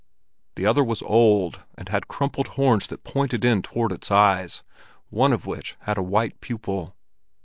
The other was old and had crumpled horns that pointed in toward its eyes, one of which had a white pupil.